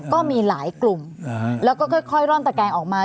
ก็มีหลายกลุ่มแล้วก็ค่อยร่อนตะแกงออกมา